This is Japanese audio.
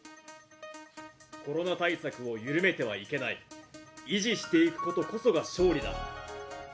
コロナ対策を緩めてはいけない、維持していくことこそが勝利だ。